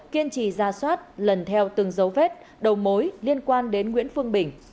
kiên trì ra soát lần theo từng dấu vết đầu mối liên quan đến nguyễn phương bình